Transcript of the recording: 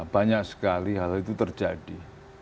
banyak sekali hal itu terjadi